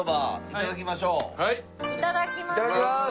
いただきます。